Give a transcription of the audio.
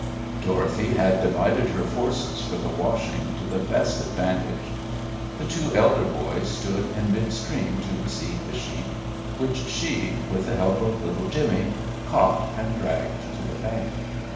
Dorothy had divided her forces for the washing to the best advantage. The two elder boys stood in midstream to receive the sheep, which she, with the help of little Jimmy, caught and dragged to the bank.